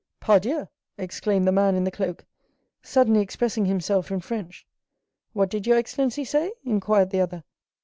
"Pardieu!" exclaimed the man in the cloak, suddenly expressing himself in French. "What did your excellency say?" inquired the other.